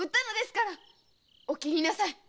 お斬りなさい！